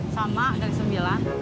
sama dari sembilan